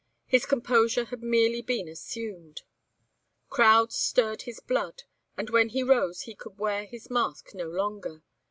His composure had merely been assumed; crowds stirred his blood, and when he rose he could wear his mask no longer.